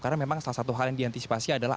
karena memang salah satu hal yang diantisipasi adalah